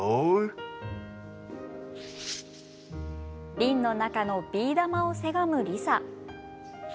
瓶のビー玉をせがむリサ。